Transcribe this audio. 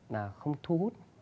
mà không thu hút